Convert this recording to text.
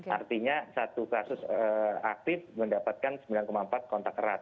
artinya satu kasus aktif mendapatkan sembilan empat kontak erat